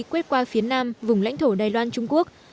quét qua phía nam vùng lãnh thổ đài loan trung quốc